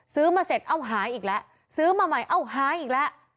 ซื้อมาเสร็จเอ้าหายอีกแล้วซื้อมาใหม่เอ้าหายอีกแล้ว